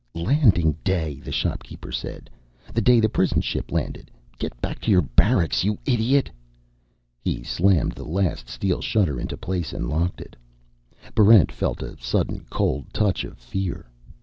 "Landing Day!" the shopkeeper said. "The day the prison ship landed. Get back to your barracks, you idiot!" He slammed the last steel shutter into place and locked it. Barrent felt a sudden cold touch of fear.